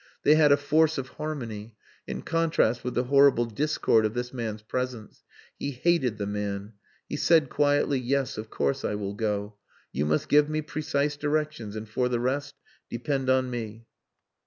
They had a force of harmony in contrast with the horrible discord of this man's presence. He hated the man. He said quietly "Yes, of course, I will go. 'You must give me precise directions, and for the rest depend on me."